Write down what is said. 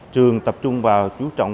trường tập trung và chú trọng